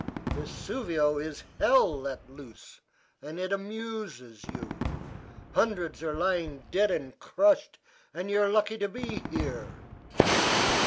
Vesuvio is hell let loose; and it amuses you. Hundreds are lying dead and crushed; and you are lucky to be here.